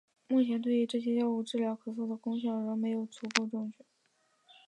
目前对于这些药物治疗咳嗽的功效仍没有足够证据。